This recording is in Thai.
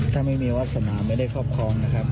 ถ้าไม่มีวาสนาไม่ได้ครอบครองนะครับ